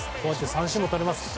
三振もとれます。